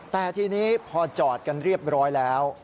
แต่ทีนี้พอจอดกันเรียบร้อยแล้ว